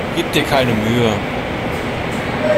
Gib dir keine Mühe!